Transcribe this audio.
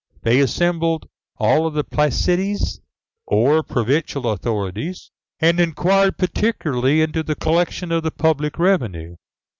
They assembled all the placites, or provincial authorities, and inquired particularly into the collection of the public revenue.